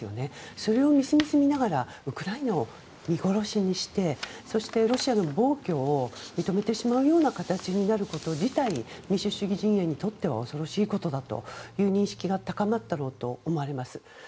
それをみすみす見ながらウクライナを見殺しにしてそしてロシアの暴挙を認めてしまうような形になること自体民主主義陣営にとっては恐ろしいという認識が高まったことだと思います。